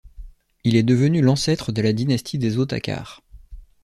Il est devenu l'ancêtre de la dynastie des Otakars.